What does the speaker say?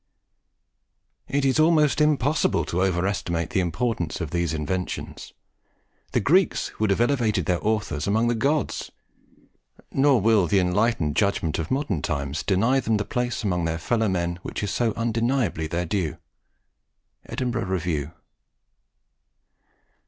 "It is almost impossible to over estimate the importance of these inventions. The Greeks would have elevated their authors among the gods; nor will the enlightened judgment of modern times deny them the place among their fellow men which is so undeniably their due." Edinburgh Review.